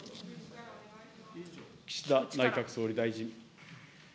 岸田内閣総理大臣。